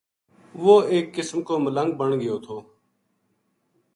وہ ایک قسم کو ملنگ بن گیو تھو